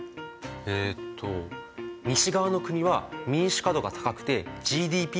えと西側の国は民主化度が高くてＧＤＰも高い。